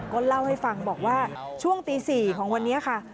ก็เล่าให้ฟังบอกว่าช่วงตี๔ของวันนี้ค่ะ